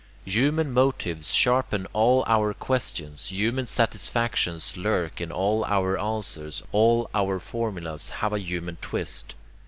Human motives sharpen all our questions, human satisfactions lurk in all our answers, all our formulas have a human twist.